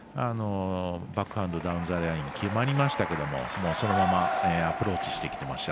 バックハンド、ダウンザライン決まりましたけどそのままアプローチしてきてました。